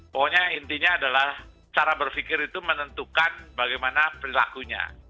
pokoknya intinya adalah cara berpikir itu menentukan bagaimana perilakunya